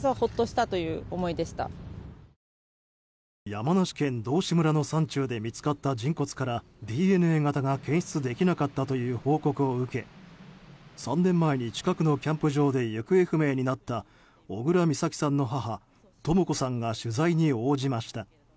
山梨県道志村の山中で見つかった人骨からＤＮＡ型が検出できなかったという報告を受け３年前に近くのキャンプ場で行方不明になった小倉美咲さんの母、とも子さんが取材に応じました。